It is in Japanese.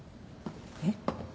えっ？